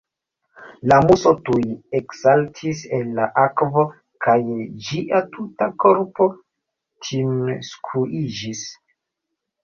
La Muso tuj eksaltis el la akvo, kaj ĝia tuta korpo timskuiĝis.